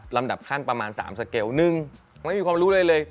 ลำดับขั้นประมาณ๓สเกล๑ไม่มีความรู้อะไรเลย